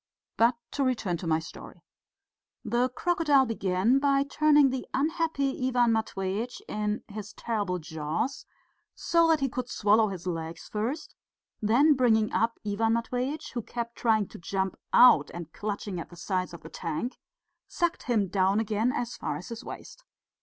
But to return to my story. The crocodile began by turning the unhappy Ivan Matveitch in his terrible jaws so that he could swallow his legs first; then bringing up Ivan Matveitch, who kept trying to jump out and clutching at the sides of the tank, sucked him down again as far as his waist.